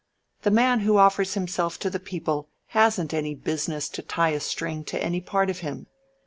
The man who offers himself to the people hasn't any business to tie a string to any part of him.